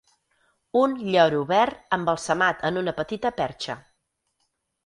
Un lloro verd embalsamat en una petita perxa.